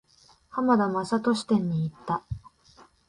浜田雅功展に行った。